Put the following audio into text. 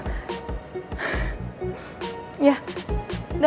selesai dari kampus citra langsung pulang ya